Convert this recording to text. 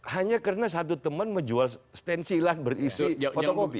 hanya karena satu teman menjual stensi lah berisi fotokopi